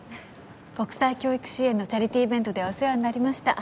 国際教育支援のチャリティーイベントではお世話になりました。